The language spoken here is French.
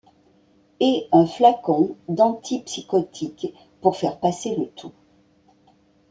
Et un flacon d’antipsychotiques, pour faire passer le tout.